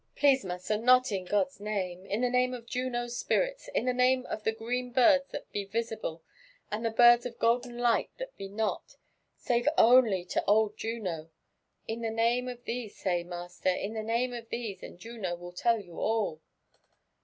—•vro Pleaae, massa, not in God's name !—«— In the name of Juno'f q>irit8,<— in the name of the green birds that be visible, and the bird$ of golden light that be not ^save only to old Juno ;— in the name of these say, master<^in the name of these, and Juno will tell you all